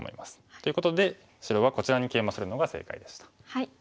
ということで白はこちらにケイマするのが正解でした。